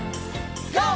ＧＯ！